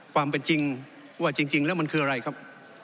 ความเป็นจริงว่าจริงแล้วมันคืออะไรครับ